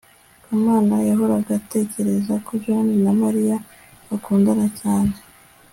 kamana yahoraga atekereza ko john na mariya bakundana cyane